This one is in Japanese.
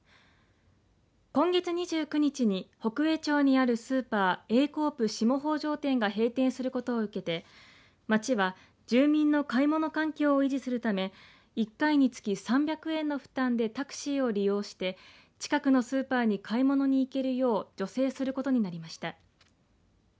今月２９日に北栄町にあるスーパーＡコープ下北条店が閉店することを受けて町は住民の買い物環境を維持するため１回につき３００円の負担でタクシーを利用して近くのスーパーに買い物に行けるよう助成することになりました。